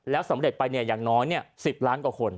แล้วสำเร็จไปอย่างน้อย๑๐ล้านกว่าคน